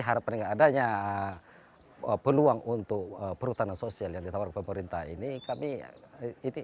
harapan dengan adanya peluang untuk perhutanan sosial yang ditawarkan pemerintah ini kami ini